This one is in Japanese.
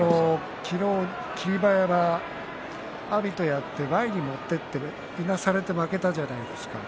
昨日、霧馬山阿炎とやって前に持っていっていなされて負けたじゃないですか。